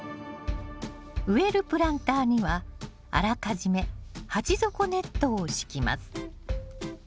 植えるプランターにはあらかじめ鉢底ネットを敷きます。